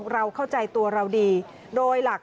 เราเข้าใจตัวเราดีโดยหลัก